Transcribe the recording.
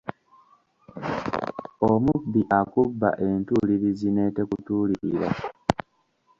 Omubbi akubba entuulirizi n’etekutuulirira.